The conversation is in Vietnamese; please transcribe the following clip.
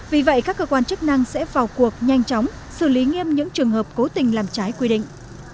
vì vậy các cơ quan chức năng sẽ vào cuộc nhanh chóng xử lý nghiêm những trường hợp cố tình làm trái quy định